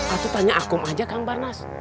atau tanya akum aja kang bar nas